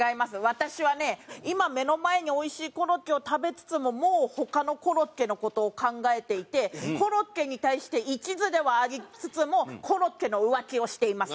私はね今目の前においしいコロッケを食べつつももう他のコロッケの事を考えていてコロッケに対して一途ではありつつもコロッケの浮気をしています。